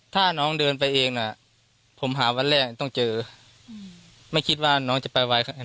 ถ้าน้องเดินไปเองน่ะผมหาวันแรกต้องเจอไม่คิดว่าน้องจะไปไว